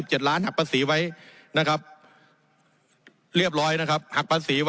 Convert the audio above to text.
เห็นภูมิแล้ว